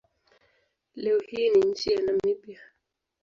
Leo hii ni nchi ya Namibia.